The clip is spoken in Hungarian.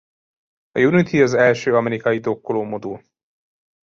A Unity az első amerikai dokkoló modul.